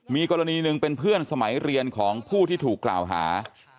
มีกรณีหนึ่งเป็นเพื่อนสมัยเรียนของผู้ที่ถูกกล่าวหา